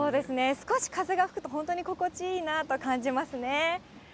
少し風が吹くと、本当に心地いいなと感じますね。